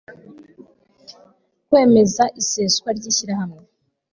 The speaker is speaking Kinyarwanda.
kwemeza iseswa ry ishyirahamwe